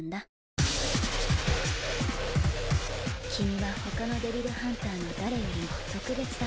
「君は他のデビルハンターの誰よりも特別だから」